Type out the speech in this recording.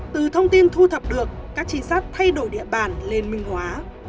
từ thông tin thu thập được các trinh sát thay đổi địa bàn lên minh hóa